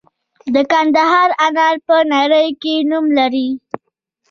د کندهار انار په نړۍ کې نوم لري.